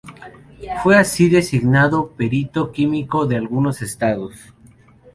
Fue así designado perito químico de algunos estados.